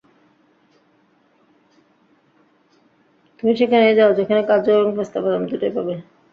তুমি সেখানেই যাও যেখানে কাজু এবং পেস্তা বাদাম দুটোই পাবে।